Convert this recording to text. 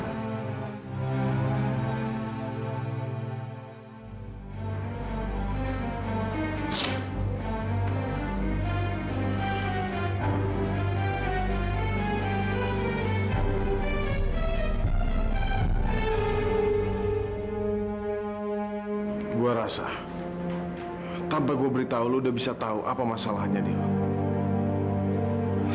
aku rasa tanpa gua beritahu lu udah bisa tahu apa masalahnya di rumah